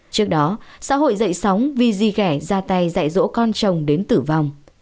trước đó xã hội dạy sống vì di ghẻ ra tay dạy rỗ con chồng đến tử vong